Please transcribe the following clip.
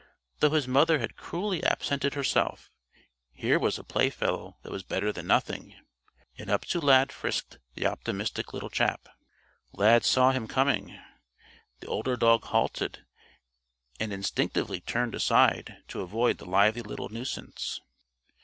Though his mother had cruelly absented herself, here was a playfellow that was better than nothing. And up to Lad frisked the optimistic little chap. Lad saw him coming. The older dog halted and instinctively turned aside to avoid the lively little nuisance.